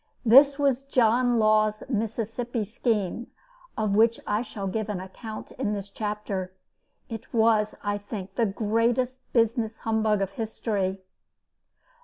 This was John Law's Mississippi scheme, of which I shall give an account in this chapter. It was, I think, the greatest business humbug of history.